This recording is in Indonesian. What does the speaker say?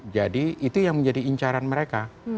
jadi itu yang menjadi incaran mereka